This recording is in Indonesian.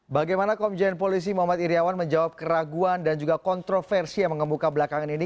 bagaimana komjen polisi muhammad iryawan menjawab keraguan dan juga kontroversi yang mengemuka belakangan ini